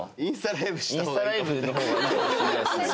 インスタライブの方がいいかもしれないですね。